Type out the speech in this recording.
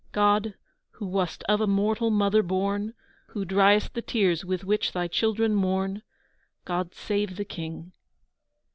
God, who wast of a mortal Mother born, Who driest the tears with which Thy children mourn, God, save the King!